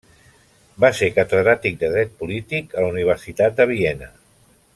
Va ser catedràtic de dret polític a la Universitat de Viena.